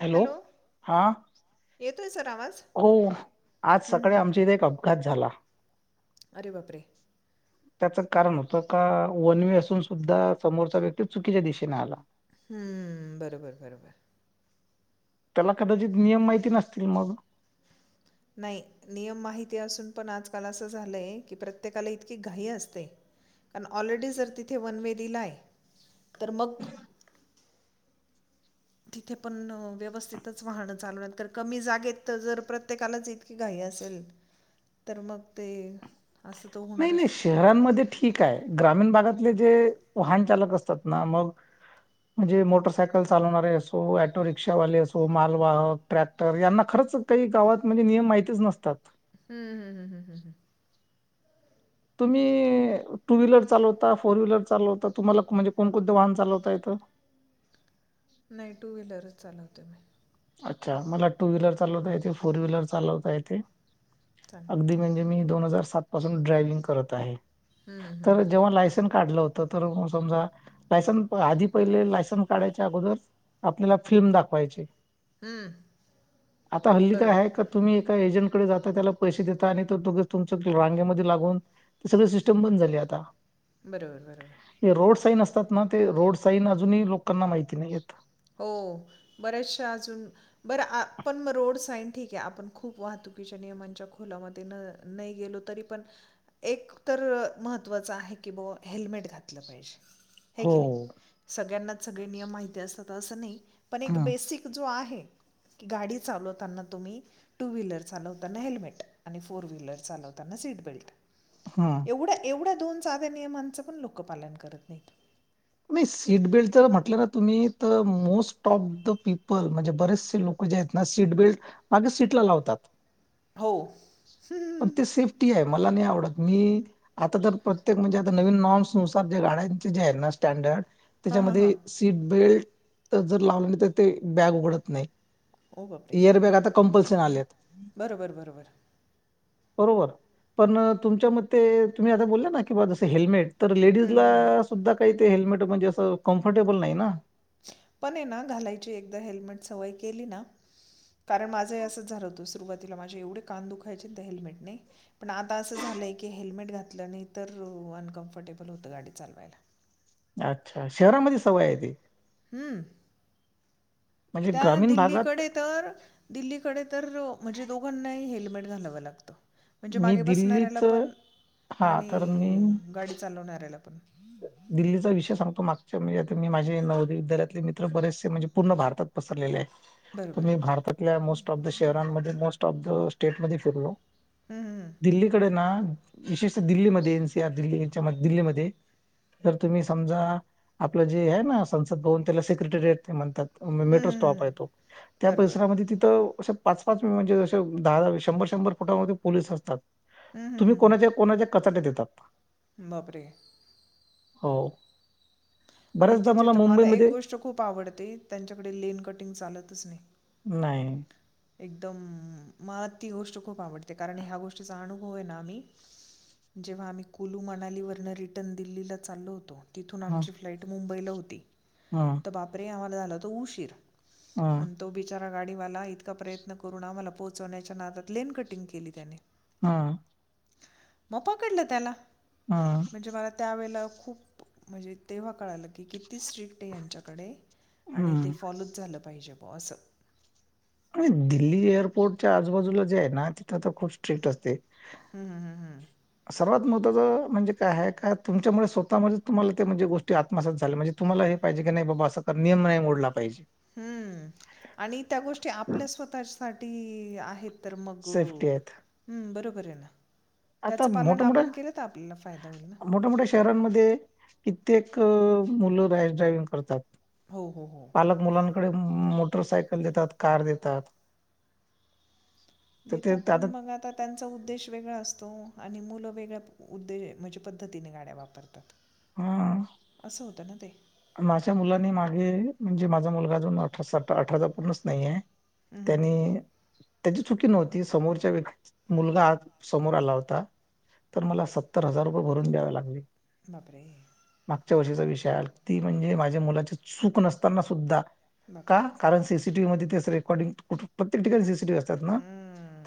Hello हा येतोय sir आवाज हो आज हं हं सकाळी हं आमच्या इथे एक अपघात झाला. अरे बापरे [inaudible] त्याचं कारण होतं का वनवे असून सुद्धा समोरचा व्यक्ती चुकीच्या दिशेने आला हम्म बरोबर बरोबर त्याला कदाचित नियम माहिती नसतील मग नाही नियम माहिती असून पण आजकाल असं झालंय की प्रत्येकाला इतकी घाई असते कारण ऑलरेडी जर तिथे वनवेे दीला आहे तर मग तिथे पण व्यवस्थितच वाहनं चालव कमी जागेत तर जर प्रत्येकालाच इतकी घ असेल तर मग ते असं तर नाही नाही होणारच शहरांमध्ये ठीक आहे ग्रामीण भागात जे वाहन चालक असतात ना मग म्हणजे मोटरसायकल चालवणारे असो टो रिक्षावाले असो मालवाहक ट्रॅक्टर यांना खंच काही गावात म्हणजे नियम माहितच नसतात [inaudible] हम्म हम्म हम्म हम् हम्म तुम्ही टू व्हीलर चालवता फोर व्हीलर चालवता तुम्हाला म्हणजे कोणकोणते वाहन चालवता य हो नाही टू व्हीलरच चालवते मी अच्छा मला टू व्हीलर चालवता येते फोर व्हीलर चालवता येते चांगलं आहे अगदी चांगलं म्हणजे आहे मी दोन हजार सात पासून ड्रायविंग करत आहे हं हं तर हं जेव्हा हं लायसन काढलं होत तर समजा लायसन आधी पहिले लायसन काढायच्या अगोदर आपल्याला फिल्म दाखवायची हं. आता हल्ली काय आहे का बरोबर. तुम्ही एका एजंट डे जात त्याला पैसे देतात आणि तुमच रांग्यामध्ये लागून ते सगळे सिस्टम बंद झाली आता बरोबर बरोबर हे रोड साईन असतात ना ते रोड साईन अजून लोकांना माहिती नाही येत हो बरेच णोड ठीक खप वातु निच्या ख नाही गेलो तरी पण एक तर महत्त्वाचं आहे की ब हेल्मेट घातलं पाहिजे हे हो की नाही हो. सगळ्यांना सगळे नियम माहिती असतात तर असं नाही पण एक हम्म बेसिक जो आहे की गाडी चालवताना तुम्ही टू व्हीलर चालवताना हेल्मेट आणि फोर व्हीलर चालवताना सीट बेल्ट हम्म एवढ्या एवढ्या दोन साध्या नियमांचं पण लोक पालन करत नाहीत नाही सीटबेल्ट जर म्हटलं ना तुम्ही तर मोस्ट ऑफ द पीपल म्हणजे बरेचसे लोक म्हणजे ना सीट बेल्ट मागे सीटला लावतात हो ह पण ते सेफ्टी आहे मला नाही आवडत मी आता तर प्रत्येक म्हणजे आता नवीन नॉर्म्स नुसार जे गाड्यांचे जे आहे ना स्टँडर्ड हां, हां, त्याच्यामध्ये हां. सीट बेल्ट जर लावलं नाही तर ते बॅग उघडत नाही ओ बापरे एअर बॅग आता कंपल्सन आले आहेत बरोबर बरोबर बरोबर पण तुमच्या मते तुम्ही आता बोलला ना कि बा जस हेल्मेट तर हं, लेडीजला हं, हं. सुद्धा काही ते हेल्मेट म्हणजे असं कम्फर्टेबल नाही ना पण ना घालायची एकदा हेल्मेट सवय केली ना कारण माझं असं झालं होतं सुरुवातीला माझे एवढे कान दुखायचे हेल्मेट नाही पण आता असं झा मला एक हेल्मेट घातलं नाही तर अनकम्फर्टेबल होतं गाडी चालवायला अच्छा शहरामध्ये सवय आहे ती हम् म्हणजे त्या ग्रामीण भागात दिल्लीकडे तर दिल्लीकडे तर म्हणजे दोघांनाही हेल्मेट घालावं लागतं म्हणजे मी मागे बसणाऱ्याला दिल्लीच पण हा आणि तर मी गाडी चालवणाऱ्याला पण हम्म दिल्लीचा विषय सांगतो मागच्या म्हणजे आता मी माझे नवोय विद्यालतले मित्र बरेचसे म्हणजे पूर्ण भारतात पसरले हाय. तर बरोबर. मी भारतातल्या मोस्ट ऑफ द शहरांमध्ये मोस्ट ऑफ द स्टेटमध्ये फिरलो. हं, हं, हं. दिल्लीकडे ना विशेषत दिल्लीमध्ये एनसीआर दिल्ली यांच्या दिल्लीमध्ये तर तुम्ही समजा आपलं जे आहे ना संसद भवन त्याला सेक्रेटरियट ते म्हणतात. हं, मेट्रो हं, हं. स्टॉप आहे तो हं. त्या बरोबर. परिसरामध्ये तिथं असे पाच पाच मी म्हणजे ज दहा शंभर शंभर फुटामध्ये पोलीस असतात. हं, हं, तुम्ही हं, कोणाच्या हं. कोणाच्या कचाट्या देतात. बापरे! हो. आणि बऱ्याचदा तिथे तर मला एक मुंबईमध्ये गोष्ट खूप आवडते त्यांच्याकडे लेन कटिंग चालतच नाही. नाही. एकदम मला ती गोष्ट खूप आवडते कारण ह्या गोष्टीचा अनुभव आहे ना आमी जेव्हा आम्ही कुलू मनाली वर्ण रिटर्न दिल्लीला चाललो होतो तिथून हां, आमची फ्लाईट मुंबईला होती हां, तर बापरे! आम्हाला झाला होत उशीर हां, आणि तो बिचारा गाडीवाला इत प्रयत्न करून आमला पोहोचवण्याच्या नादात लेन कटिंग केली त्यानी हा. मग पकडलं त्याला हां, म्हणजे मला त्यावेळेला खूप म्हणजे तेव्हा कळालं की किती स्ट्रिक्ट आहे यांच्याकडे आणि ते हं. फॉलोच झालं पाहिजे ब असं. आणि दिल्ली एअरपोर्टच्या आजबाजूला जे आहे ना तिथं तर खूप स्ट्रिक्ट असते. हम्मम हम्म हम्म. सर्वात म्हणजे काय का तुमच्यामुळे स्वतः तुमला ते म्हणे गोष्टी आत्मसात झाल्या म्हणजे तुम्हाला हे पाहिजे नाही बाबा असं नाही मोडला पाहिजे. हम्म आणि त्या गोष्टी आपल्या स्वतः साठी आहेत. तर मग् सेफ्टी आहेत. बरोबर आहे ना. आता त्याचं पालन मोठ मोठ्या आपण केलं तर आपल्याला फायदा होईल ना मोठ्यामोठ्या शहरांमध्ये प्रत्येक मुलं रॅश ड्रायविंग करतात. हो हो हो कडे मोटरसायकल देतात कार देतात. तर ते देतात पण मग आता त्यांचा उद्देश वेगळा असतो. तो आणि मुलं वेगळ्या उद्दे म्हणजे पद्धतीने गाड्या वापरतात. हं. असं होतं ना ते? माझ्या मुलानी मागे म्हणजे माझा मुलगा अजून अठरा अठरा तर पूर्णच नाहीय हम्म, त्यांनी हम्म. त्याची चुकी नव्हती समोरच्या व्यक्ती मुलगा समोर आला होता. तर मला सत्तर हजार रुपये भरून द्यावे लागले. बापरे! मागच्या वर्षीचा विषय ती म्हणजे माझ्या मुलाची चूक नसताना सुद्धा. का? बापरे! कारण सीसीटीव् मध्यें रेकॉर्डिंग प्रत्येक ठिकाणी असतात ना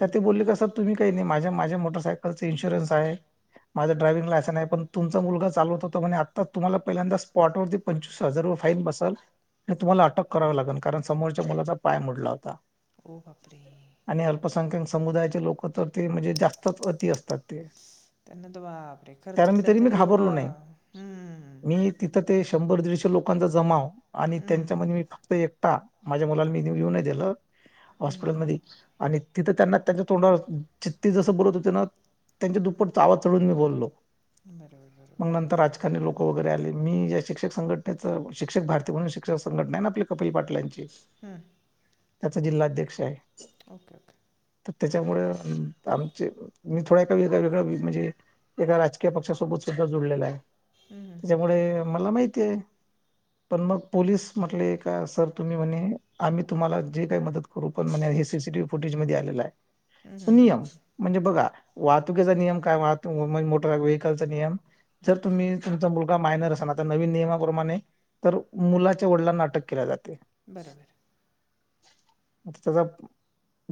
तर ती बोली तुम्ही काही नाही माझ माझ्या मोटसायकल चा इन्शुरन्स आहे. माझा डाय्हिंग लायनस आहे पण तुमचा मुलग चालत होतो म्हणे आता तुम्हाला पहिल्यांदा पॉटवरती पंचवीस हजार फोन बसल हे तुम्हाला अटक कराव लागेल कारण समोरच्या मुलाचा पाय मोडला होता. हो बापरे! लसंख्याक समुदायाचे लोक तर ते म्हणजे जास्तच अति असतात ते. त्यांना तर बापरे! कारण मी खर्चटलं मी तरी घाबरलो एवढं नाही हम्मम. मी तिथं ते शंभर दीडशे लोकांचा जमाव आणि हं, हं, हं. त्यांच्यामध्ये मी फक्त एकटा. माझ्या मुलाला मी बापरे! येऊन नाही दिलं हं, हं, हॉस्पिटलमध्ये आणि तिथं त्यांना त्यांच्या तोंडावर चितती जसं बोलत होते ना त्यांच्या दुप्पट आवाज चढून मी बोललो. बरोबर बरोबर. मग नंतर राजकारणी लोक वगैरे आले मी या शिक्षक संघटनेच शिक्षक भारती म्हणून शिक्षक संघटना आहे ना आपल्या कपिल पाटलांची. हं. त्याचा जिल्हाध्यक्ष आहे. Okay okay. तर त्याच्यामुळे आमचे मी थोडा ए वेग वेगळ म्हणजे एका राजकीय पक्षासोबत. सुद्धा जुडलेला आहे. त्याच्यामुळे मला माहिती आहे. रिकामा ऑडिओ पण मग पोलीस म्हटले का सर तुम्ही म्हणे आम्ही तुम्हाला जे काय मदत करू पण म्हणे हे.... सी ती व्ही ही फुटेज मध्ये आलेला हं, आहे हं, हं, नियम हं, म्हणजे बघा. वाहतुकीचा नियम काय वाहते मोट व्हेकलचा नियम जर तुम्ही तुमचा मु मायनर आता नवीन नियप्रमाणे तर मुलाच्या वडिलांना अटक केल्या जात. बरोबर. त्याचा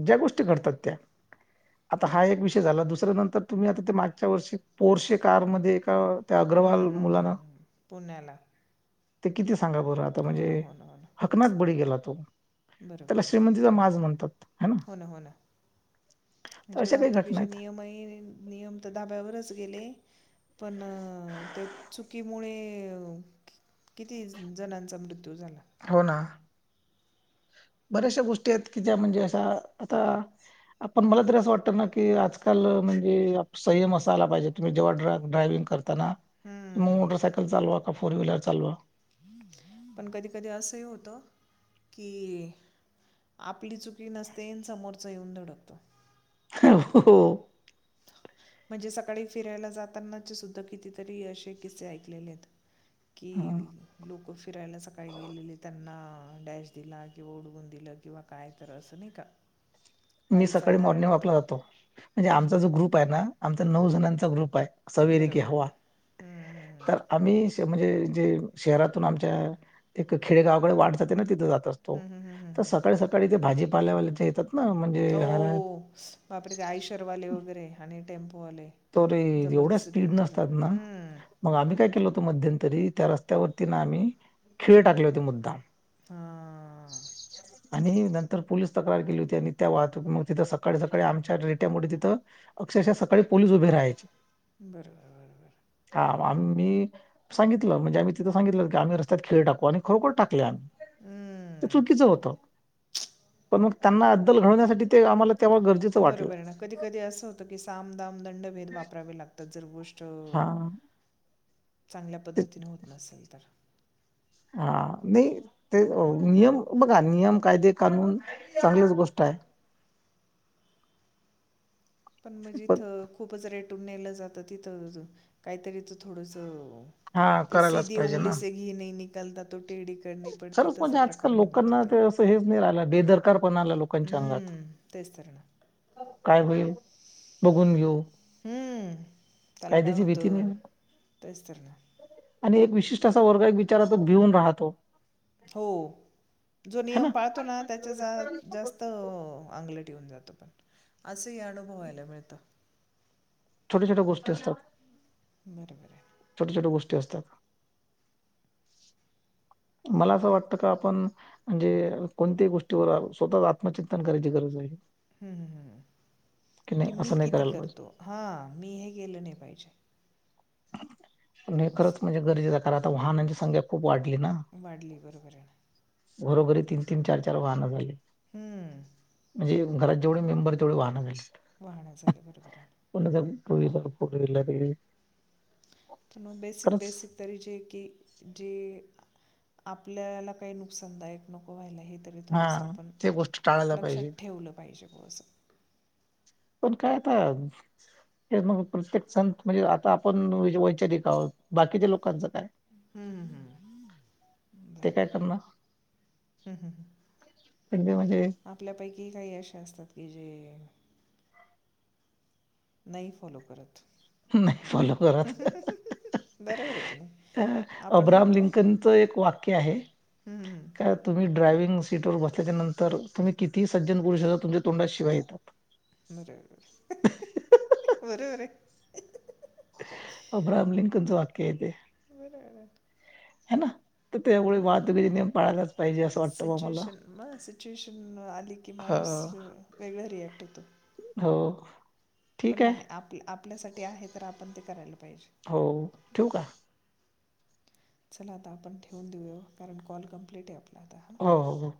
ज्या गोष्टी करतात त्या. आता हा एक विषय झाला दुसऱ्या नंतर तुम्ही आता ते मागच्या वर्षी पोरशे कार मध्ये एका... त्या अग्रवाल मुलांना हम् ह पुण्याला. ते किती सांगा बरं आता हो म्हणजे ना, हो ना, हो ना. हकनाक बळी गेला तो. त्याला बरोबर आहे ना. श्रीमंतीचा माज म्हणतात ह ना. हो हो ना. तर म्हणजे अशा काही घटना वाहतुकीचे आहेत. नियमही नियम तर धाब्यावरच गेले. पण त्या चुकीमुळे-... किती जणांचा मृत्यू झाला.? हो ना. बऱ्याचशा गोष्टी आहेत की ज्या म्हणजे अशा आता आपण मला तरी असं वाटतं ना की आजकाल म्हणजे संयम असायला पाहिजे तुम् जेव्हा ड्राय विंग करता ना.. मग हं. मोटरसायकल चालवा का फोर व्हीलर चालवा. पण कधी कधी असंही होतं की.... आपली चुकी नसतेन समोरचं येऊन धडकतो. हो हो! म्हणजे सकाळी फिरायला जाताना सुद्धा कितीतरी असे किस्से ऐकलेले आहेत. हा. कि लोक फिरायला सकाळी गेलेले त्यांना. डॅश दिला किंवा उडवून दिलं किंवा काय तर असं नाही का. मी पायी सकाळी मॉर्निंग चालणाऱ्यांना वॉकला पण जातो म्हणजे हं, आमचा जो हं. ग्रुप आहे ना आमचा नऊ जणांचा ग्रुप आहे. सवरी की बरोबर हं, हवा हं, तर हं. आम्ही म्हणजे.. े शहरातून आमच्या एक खेडेगावाकडे वाट जाते ना तिथं जात असतो हं, हं, हं, हं, त हं. सकाळी सकाळी त्या भाजी पल्यावल्या त्या येतात ना... म्हणजे हरा हो बापरेचे आयशरवाले वगैरे आणि टेम्प त रे एवढ्या स्पीड नसतात ना हं. मग आम्ही काय केल? मध्यंतरी त्या रस्त्यावरती ना आम्ही खिळे टाकले होते मुद्दाम. हा. आणि नंतर पोलीस तक्रार केली होती आणि त्या वाहतूक तिथं सकाळी सकाळी आमच्या रेट्या मो तिथं शा सकाळी पोलीस उभे राहायचे. बरोबर बरोबर. हा आम्ही सांगितलं म्हणजे आम्ही तिथ सांितलं की आम् रस्त्यात खेळ टकू आणि खरोखर टाकले आम्ही. ते हं. चुकीचं होत पण मग त्यांना अद्दल घडवण्यासाठी ते आपल... बरोबर आहे ना कधी कधी असं होतं की सामदाम.. ंड भेद वापरावे लागतात जर गोष्ट... हा चांगल्या ते पद्धतीने होत नसेल तर. हा नाही ते नियम बघा नियम कायदे कानून चांगलीच गोष्ट आहे. ह पण म्हणजे इथं खूपच रेटून नेलं जातं तिथं काहीतरीच थोडंस हा ते करायलाच सीधी उंगली स घी नाही निकलता तो टेढ़ी करनी पड़ती, सरच तसा म्हणजे आजकाल प्रकार होऊन जातो लोकांना ते असं हेच नाही राहिलं बेदरकार पण आला लोकांच्या अंगात हं. तेच तर ना. काय होईल बघून घेऊ हम्म त्याला काय कायद्याची भीती नाही होतं तेच तर ना आणि एक विशिष्ट असा वर्ग एक विचाराचाो भिऊन राहतो हो जो नियम पाळतो ना त्याच्या जास्त अंग जात पण असंही अनुभवायला मिळत छोट्या गोष्टी असतात बरबर आहे छोट छोट गोष्टी असतात मला असं वाटतं का आपण म्हणजे कोणत्याही गोष्टीवर स्वतःच आत्मचिंतन करायची गरज आहे हम्म हम्म हम् की नाही कि मी असं नाही किती करायला पाहिजे करतो हा मी हे केेलं नाही पाहिजे असं खरचणजे गरजेचं कारण आता वाहनाची संख्या खूप वाढ वाढली बरोबर आहे ना बरोबरी तीन तीन चार चार वाहनं झाली हम्म म्हणजे घरात जेवढे मेंबर तेवढेच पहाणे ही झाली वाहण झालं बरोबर आहे त पुर पण बेसिक बेसिक तरीचे की ज आपल्याला काही नुकसानदायक नको व्हायला हे हा थोडस आपण ते गोष्ट टाळायला पाहिजे. लक्षात ठेवलं पाहिजे ग अस पण काय आता हे मग प्रत्येक संत म्हणजे आता आपण वैचारिक आहोत बाकीच्या लोकांच हम्म हम्म हम् ते काय बरोबर करणार ते म्हणजे आपल्यापैकी काही अशे असतात क जे नाही फॉलो करत नाही फॉलो करत. बरोबर आहे की नाही अ, आपण अब्राहम म्हणतो लिंकनचं एक वाक्य आहे "हम्म, की तुम्ही ड्रायव्हिंग करताना प्रत्येक वेळी सीट वर बसल्याच्या नंतर तुम्ही किती सज्जन पुरुष अस तुमच्या तोंडाशिवाय येतात बरोबबर बरेबरे अब्रहम लिंकच वाक्य आहेे अब्राहम लिंकनचे वाक्य आहे ते बरर ह ना तर त्यामुळे वाहतुकीचे नियम पाळायलाच पाहिजे असं वाटतं बा मला सिच्युएशन ह वेगळा रिएक्ट होतो हो पण ठीक आहे. नाही आप आपल्यासाठी आहे तर आपण ते करायला पाहिजे हो ठीक आहे चला आता आपण ठेवून देऊया कारण कॉल कंप्लीट आहे आप हो हो